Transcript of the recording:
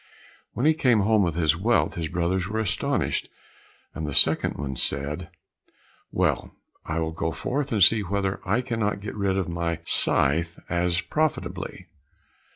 When he came home with his wealth his brothers were astonished, and the second said, "Well, I will go forth and see whether I cannot get rid of my scythe as profitably."